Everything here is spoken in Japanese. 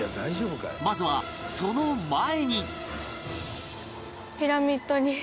まずはその前に